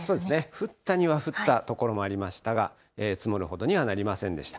降ったには降った所もありましたが、積もるほどにはなりませんでした。